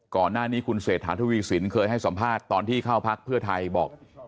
ก่อนหน้านี้คุณเศรษฐาทวีสินเคยให้สัมภาษณ์ตอนที่เข้าพักเพื่อไทยบอก